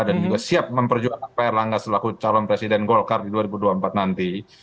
dan juga siap memperjuangkan pak erlangga selaku calon presiden golkar di dua ribu dua puluh empat nanti